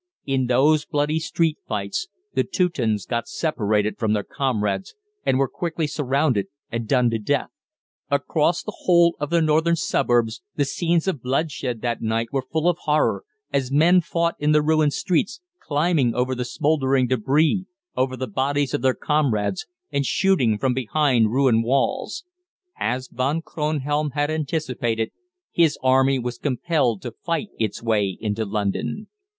In those bloody street fights the Teutons got separated from their comrades and were quickly surrounded and done to death. [Illustration: LONDON AFTER THE BOMBARDMENT.] Across the whole of the northern suburbs the scenes of bloodshed that night were full of horror, as men fought in the ruined streets, climbing over the smouldering débris, over the bodies of their comrades, and shooting from behind ruined walls. As Von Kronhelm had anticipated, his Army was compelled to fight its way into London.